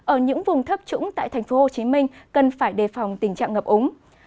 ở những vùng thấp trũng tại tp hcm cần phải đề phòng tình trạng ngập úng